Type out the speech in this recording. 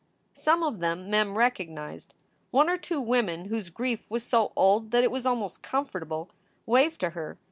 Some of them Mem recognized. One or two women, whose grief was so old that it was almost comfortable, waved to her.